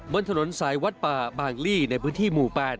บนถนนสายวัดป่าบางลี่ในพื้นที่หมู่๘